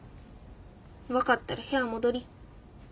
分かったら部屋戻り。